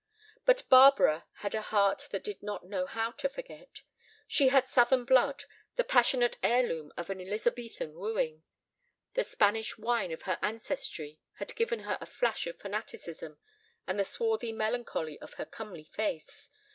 But Barbara had a heart that did not know how to forget. She had Southern blood, the passionate heirloom of an Elizabethan wooing. The Spanish wine of her ancestry had given her a flash of fanaticism and the swarthy melancholy of her comely face.